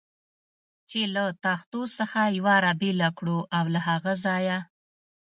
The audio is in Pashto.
چې له تختو څخه یوه را بېله کړو او له هغه ځایه.